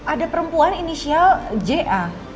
ada perempuan inisial ja